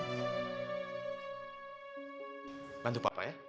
kita mau lanjut lupa liat kan begini